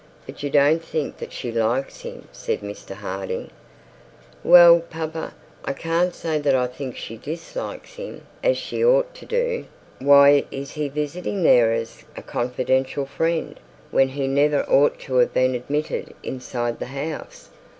'But you don't think that she likes him,' said Mr Harding again. 'Well, papa, I can't say that I think she dislikes him as she ought to do. Why is he visiting there as a confidential friend, when he never ought to have been admitted inside the house?